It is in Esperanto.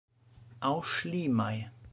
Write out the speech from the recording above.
Aŭ ŝlimaj.